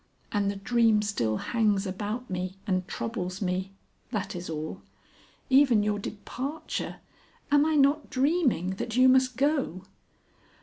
And the dream still hangs about me and troubles me. That is all. Even your departure . Am I not dreaming that you must go?"